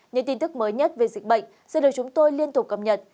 những tin tức mới nhất về dịch bệnh sẽ được chúng tôi liên tục cập nhật